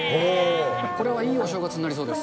これはいいお正月になりそうです。